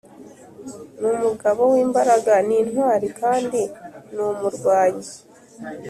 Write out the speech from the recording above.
ni umugabo w’imbaraga n’intwari kandi ni umurwanyi